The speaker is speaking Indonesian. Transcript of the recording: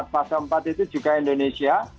fase empat itu juga indonesia